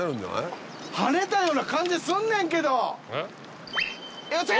跳ねたような感じすんねんけど。